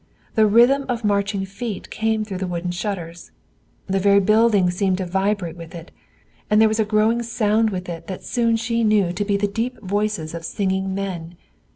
The rhythm of marching feet came through the wooden shutters. The very building seemed to vibrate with it. And there was a growling sound with it that soon she knew to be the deep voices of singing men.